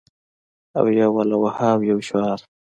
او یوه لوحه او یو شعار